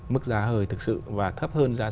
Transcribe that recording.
mức giá hơi thật sự và thấp hơn